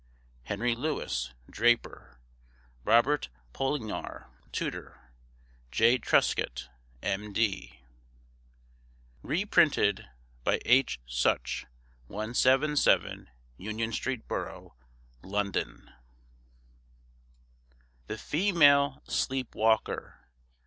HENRY LEWIS, Draper. ROBERT POLIGNENOR, Tutor. J. TRUSCOTT, M.D. Re printed by H. Such, 177, Union Street, Borough, London. THE FEMALE SLEEP WALKER.